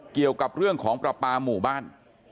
เกี่ยวกับเรื่องของประปาหมู่บ้าน